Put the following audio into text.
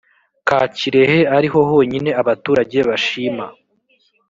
ka kirehe ariho honyine abaturage bashima